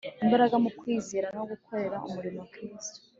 imbaraga mu kwizera no gukorera umurimo Kristo